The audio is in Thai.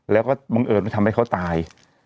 แล้วก็บังเอิญว่าทำให้เขาตาย